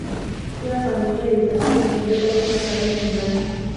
Kila familia ilitakiwa kutundika picha ya Karume nyumbani